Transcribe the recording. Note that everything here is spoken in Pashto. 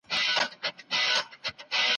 که انسان خپل رسالت هېر کړي نو زيان به وګوري.